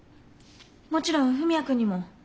もちろん文也君にも。